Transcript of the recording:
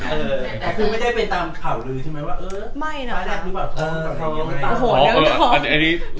คือไม่ใช่เป็นตามข่าวเลยใช่ไหมว่าผมตายแล้วคุณกดสุด